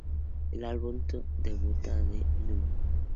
El álbum debuta en el Núm.